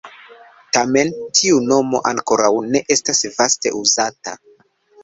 Tamen, tiu nomo ankoraŭ ne estas vaste uzata.